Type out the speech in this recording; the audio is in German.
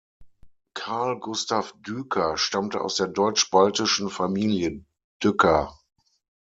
Karl Gustav Düker stammte aus der deutsch-baltischen Familie Dücker.